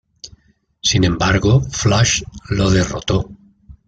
Sin embargo Flash lo derrotó.